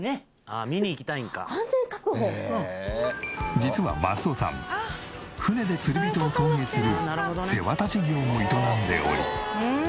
実は益男さん船で釣り人を送迎する瀬渡し業も営んでおり。